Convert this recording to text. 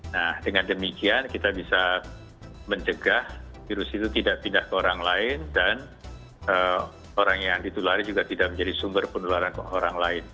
nah dengan demikian kita bisa mencegah virus itu tidak pindah ke orang lain dan orang yang ditulari juga tidak menjadi sumber penularan ke orang lain